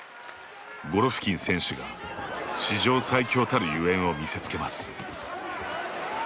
ゴロフキン選手が史上最強たるゆえんを見せつけます。